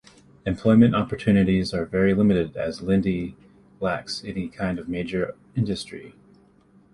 Employment opportunities are very limited, as Lindi lacks any kind of major industry.